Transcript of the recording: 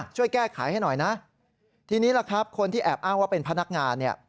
ช่วยแก้ไขให้หน่อยนะทีนี้คนที่แอบอ้างว่าเป็นพนักงาน